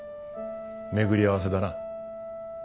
巡り合わせだな。